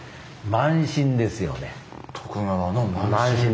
慢心ですね。